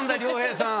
良平さん。